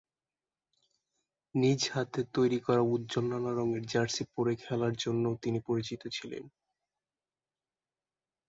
নিজ হাতে তৈরি করা উজ্জ্বল নানা রঙের জার্সি পরে খেলার জন্যও তিনি পরিচিত ছিলেন।